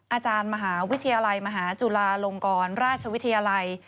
อาจารย์มหาวิทยาลัยมหาจุฬาลงกรราชวิทยาลัย